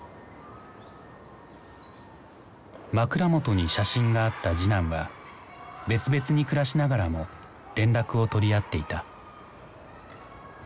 枕元に写真があった次男は別々に暮らしながらも連絡を取り合っていた。